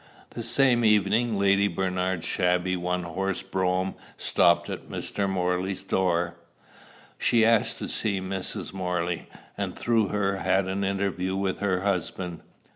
The same evening Lady Bernard's shabby one horse brougham stopped at Mr. Morley's door. She asked to see Mrs. Morley, and through her had an interview with her husband.